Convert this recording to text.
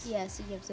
iya sea games